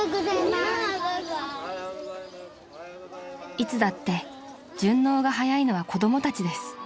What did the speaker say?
［いつだって順応が早いのは子供たちです］